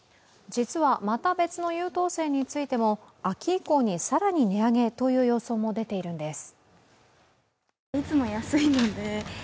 実はまた別の優等生についても秋以降に、更に値上げへという予想も出ているんです。